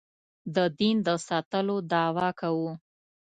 د دین د ساتلو دعوه کوو.